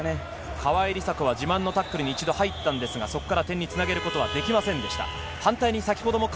川井梨紗子は自慢のタックルに入ったんですが、そこから点につなげることはできませんでした。